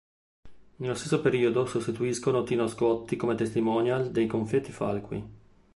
Nello stesso periodo sostituiscono Tino Scotti come testimonial dei confetti Falqui.